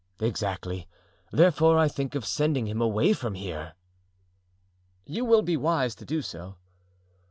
"Exactly; therefore I think of sending him away from here." "You will be wise to do so."